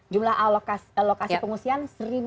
jumlah alokasi pengungsian seribu dua ratus lima puluh